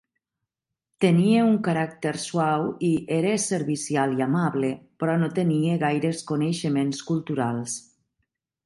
Tenia un caràcter suau i era servicial i amable, però no tenia gaires coneixements culturals.